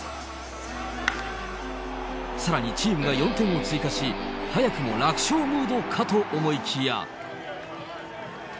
さらにチームが４点を追加し、早くも楽勝ムードかと思いきや。